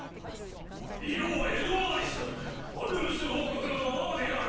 余はエドマリスファルムス王国の王である。